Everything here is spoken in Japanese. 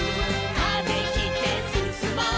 「風切ってすすもう」